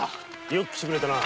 よくきてくれた。